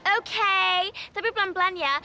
oke tapi pelan pelan ya